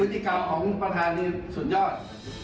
สุจิกรของคุณประธานนี้สุดยอด